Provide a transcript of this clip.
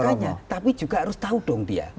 bertanya tapi juga harus tahu dong dia